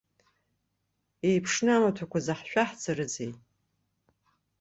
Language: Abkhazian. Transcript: Еиԥшны амаҭәақәа заҳшәаҳҵарызеи?